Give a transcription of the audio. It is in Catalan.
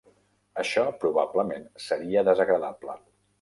Això probablement seria desagradable.